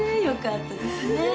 よかったですね。